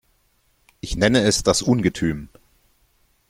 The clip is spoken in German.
Ich nenne es das Ungetüm.